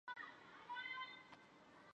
长颈部可使鱼群较慢发现到薄板龙。